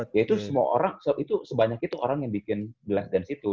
ya itu semua orang itu sebanyak itu orang yang bikin the last dance itu